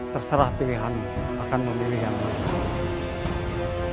terserah pilihanmu akan memilih yang mana